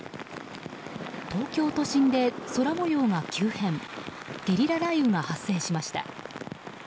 東京都心で空模様が急変ゲリラ雷雨が発生しました。